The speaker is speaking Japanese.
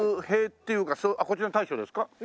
あっこちらの大将ですか？